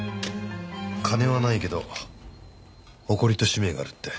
金はないけど誇りと使命があるって。